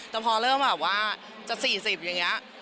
แต่พอเริ่มแบบว่าจะ๔๐อย่างนี้